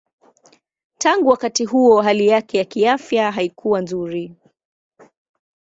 Tangu wakati huo hali yake ya kiafya haikuwa nzuri.